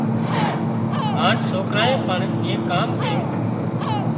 هانَ سوڪرانئين پڻ ايڪ ڪام ڪريون